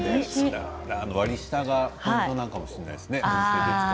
割り下が大事かもしれないですね。